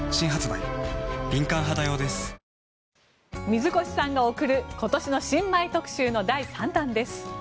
水越さんが送る今年の新米特集の第３弾です。